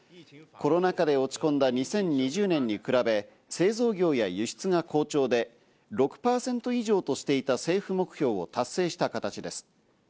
コロナ禍で落ち込んだ２０２０年に比べ、製造業や輸出が好調で、６％以上としていた政府目標を達成した形です。